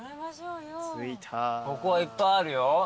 ここはいっぱいあるよ